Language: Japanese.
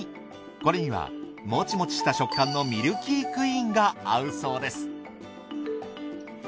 これにはもちもちした食感のミルキークイーンが合うそうです。